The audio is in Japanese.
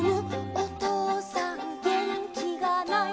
おとうさんげんきがない」